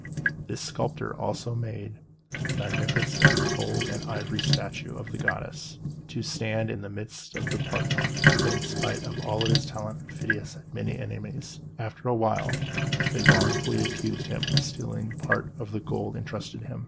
This sculptor also made a magnificent gold and ivory statue of the goddess, to stand in the midst of the Parthenon. But in spite of all his talent, Phidias had many enemies. After a while they wrongfully accused him of stealing part of the gold intrusted to him.